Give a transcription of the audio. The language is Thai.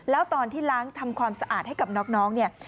แล้วตอนที่ล้างทำความสะอาดให้กับน้องเนี่ย